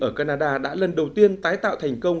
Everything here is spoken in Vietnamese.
ở canada đã lần đầu tiên tái tạo thành công